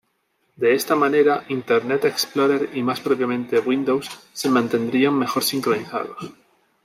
De esta manera, Internet Explorer y más propiamente Windows, se mantendrían mejor sincronizados.